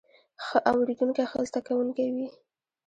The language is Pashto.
ښه اوریدونکی ښه زده کوونکی وي